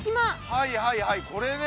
はいはいはいこれね。